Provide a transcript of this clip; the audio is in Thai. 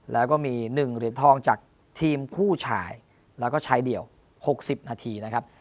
แล้วก็มี๑เหรียญทองจากทีมคู่ชายแล้วก็ชายเดี่ยว๖๐นาทีนะครับ